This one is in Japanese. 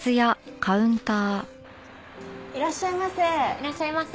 いらっしゃいませ。